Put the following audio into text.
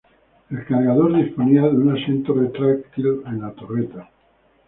El cargador disponía de un asiento retráctil en la torreta.